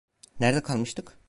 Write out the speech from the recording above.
Nerede kalmıştık?